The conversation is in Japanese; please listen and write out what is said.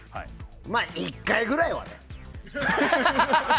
まあ、１回ぐらいはね。